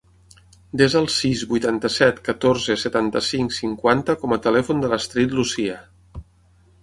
Desa el sis, vuitanta-set, catorze, setanta-cinc, cinquanta com a telèfon de l'Astrid Lucia.